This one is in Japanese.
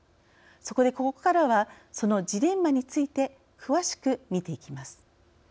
そこで、ここからはそのジレンマについて詳しく見ていきます。